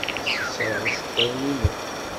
Sxeṣreɣ iceḍḍiḍen-inu.